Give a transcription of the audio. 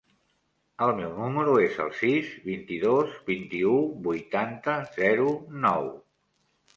El meu número es el sis, vint-i-dos, vint-i-u, vuitanta, zero, nou.